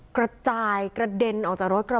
กระจายกระเด็นออกจากรถกระบะ